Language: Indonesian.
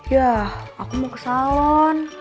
yah aku mau ke salon